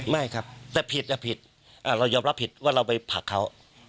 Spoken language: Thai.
ไม่ครับแต่ผิดแต่ผิดเรายอมรับผิดว่าเราไปผลักเขา